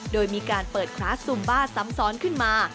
โดยมีการเปิดคลาสซุมบ้าซ้ำซ้อนขึ้นมา